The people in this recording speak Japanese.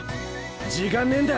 時間ねえんだ！